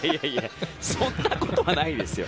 そんなことはないですよ。